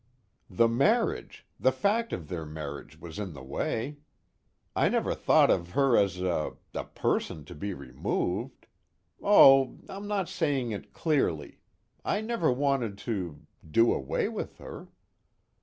"The marriage the fact of their marriage was in the way. I never thought of her as a a person to be removed oh, I'm not saying it clearly I never wanted to do away with her.